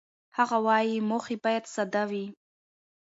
هغه وايي، موخې باید ساده وي.